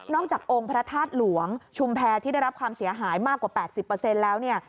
จากองค์พระธาตุหลวงชุมแพรที่ได้รับความเสียหายมากกว่า๘๐แล้วเนี่ย